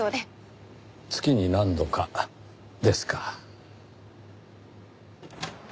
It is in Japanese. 月に何度かですか。